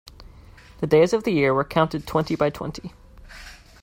The days of the year were counted twenty by twenty.